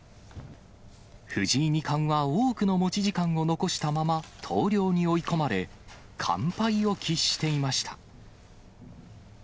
藤井二冠は多くの持ち時間を残したまま、投了に追い込まれ、完敗を喫していました。